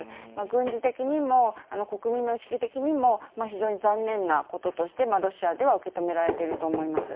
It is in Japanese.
軍事的にも国民の意識的にも、非常に残念なこととして、ロシアでは受け止められていると思います。